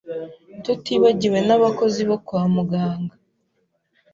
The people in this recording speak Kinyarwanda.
Tutibagiwe n’abakozi bo kwa muganga